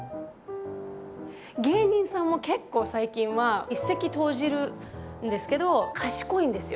芸人さんも結構最近は一石投じるんですけど賢いんですよ。